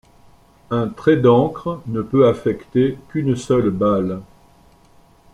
Un trait d’encre ne peut affecter qu’une seule balle.